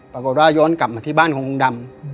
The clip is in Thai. ปรากฏว่าย้อนกลับมาที่บ้านของลุงดำ